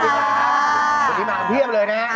สวัสดีมากเพียบเลยแน่